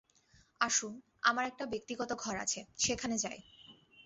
আসুন, আমার একটা ব্যক্তিগত ঘর আছে, সেখানে যাই।